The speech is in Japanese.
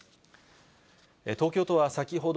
東京都は先ほど、。